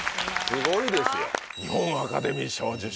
すごいですよ。